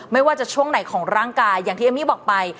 ไม่ว่าจะช่วงไหนของร่างกายอย่างที่เอมมี่บอกไป